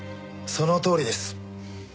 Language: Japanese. そのとおりです。